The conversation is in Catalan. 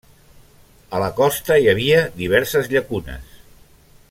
A la costa hi havia diverses llacunes.